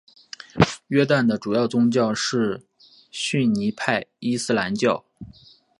约旦的主要宗教是逊尼派伊斯兰教。